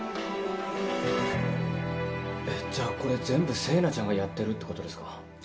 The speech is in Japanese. えっじゃあこれ全部星名ちゃんがやってるってことですか？